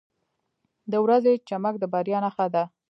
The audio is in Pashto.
• د ورځې چمک د بریا نښه ده.